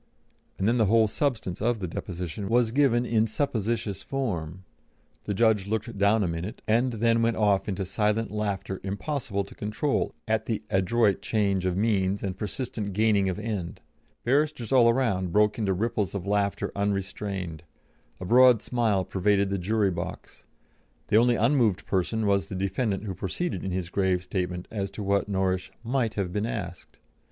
and then the whole substance of the deposition was given in supposititious form. The judge looked down a minute, and then went off into silent laughter impossible to control at the adroit change of means and persistent gaining of end; barristers all round broke into ripples of laughter unrestrained; a broad smile pervaded the jury box; the only unmoved person was the defendant who proceeded in his grave statement as to what Norrish "might" have been asked.